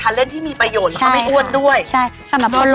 อันนี้มีประโยชน์